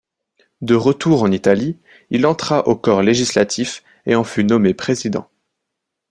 De retour en Italie, il entra au corps législatif, et en fut nommé président.